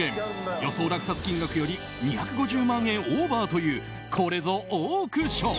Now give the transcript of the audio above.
予想落札金額より２５０万円オーバーというこれぞオークション。